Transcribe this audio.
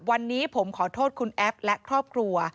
วันนี้ผมขอโทษคุณแอฟและครอบครัว